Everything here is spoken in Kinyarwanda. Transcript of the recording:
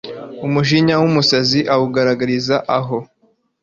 Umujinya w’umusazi awugaragariza aho